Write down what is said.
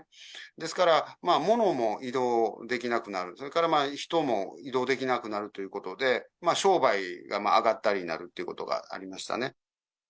ですから物も移動できなくなる、それから人も移動できなくなるということで、商売があがったりになるということがありましたね。